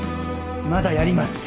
まだやります。